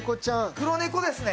黒猫ですね。